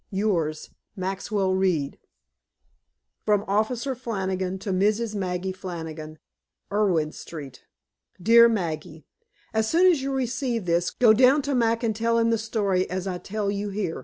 Yours, Maxwell Reed FROM OFFICER FLANNIGAN TO MRS. MAGGIE FLANNIGAN, ERIN STREET. Dear Maggie: As soon as you receive this, go down to Mac and tell him the story as I tell you hear.